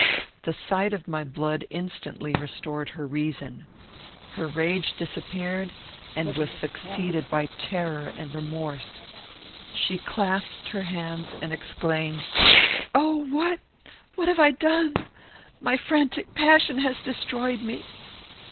The sight of my blood instantly restored her reason. Her rage disappeared, and was succeeded by terror and remorse. She clasped her hands, and exclaimed, "Oh! what! what have I done? My frantic passion has destroyed me."